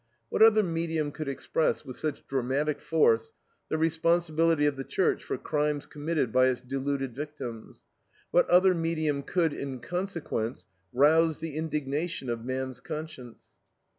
What other medium could express, with such dramatic force, the responsibility of the Church for crimes committed by its deluded victims; what other medium could, in consequence, rouse the indignation of man's conscience?